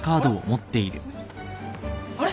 あれ？